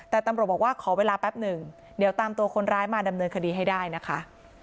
แต่ตำรวจบอกว่าขอเวลาแป๊บหนึ่งเดี๋ยวตามตัวคนร้ายมาดำเนินคดีให้ได้นะคะ